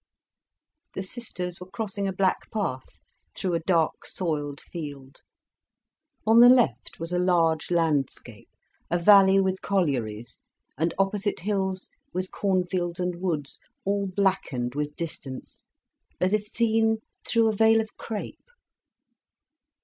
The sisters were crossing a black path through a dark, soiled field. On the left was a large landscape, a valley with collieries, and opposite hills with cornfields and woods, all blackened with distance, as if seen through a veil of crape.